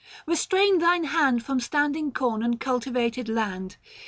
Kestrain thine hand From standing corn and cultivated land.